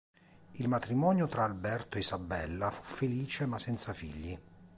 Il matrimonio tra Alberto e Isabella fu felice ma senza figli.